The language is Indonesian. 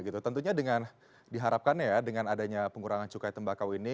tentunya dengan diharapkan ya dengan adanya pengurangan cukai tembakau ini